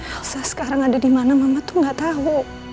elsa sekarang ada dimana mama tuh gak tau